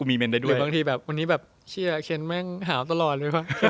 ไม่รู้เหรอ